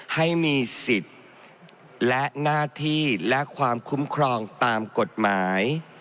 ให้มีสิทธิ์และหน้าที่และความคุ้มครองตามกฎหมาย